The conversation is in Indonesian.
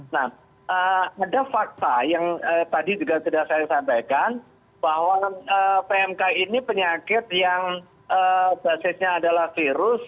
nah ada fakta yang tadi juga sudah saya sampaikan bahwa pmk ini penyakit yang basisnya adalah virus